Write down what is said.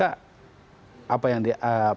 apa yang di